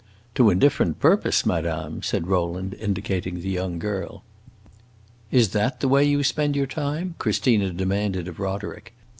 "To indifferent purpose, madame!" said Rowland, indicating the young girl. "Is that the way you spend your time?" Christina demanded of Roderick.